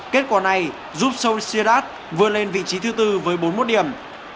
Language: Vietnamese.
kết quả này giúp sociedad vượt lên vị trí thứ bốn với bốn mốt điểm